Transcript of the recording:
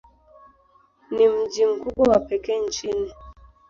Ni mji mkubwa wa pekee nchini.